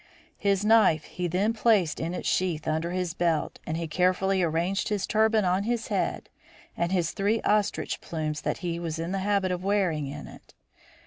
His knife he then placed in its sheath under his belt, and he carefully arranged his turban on his head and his three ostrich plumes that he was in the habit of wearing in it.